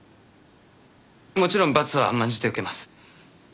もちろん罰は甘んじて受けます。